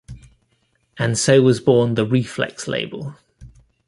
And so was born the Rephlex label.